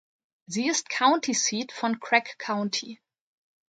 Sie ist County Seat von Craig County.